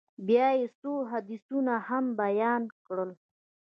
بيا يې څو حديثونه هم بيان کړل.